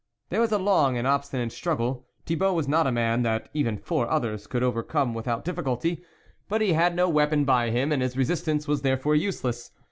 There was a long and obstinate struggle ; Thibault was not a man that even four others could overcome without difficulty ; but he had no weapon by him, and his resistance was therefore useless.